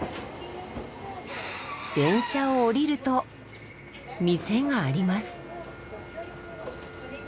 電車を降りると店があります。